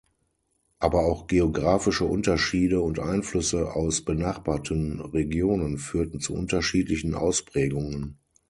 Aber auch geografische Unterschiede und Einflüsse aus benachbarten Regionen führten zu unterschiedlichen Ausprägungen.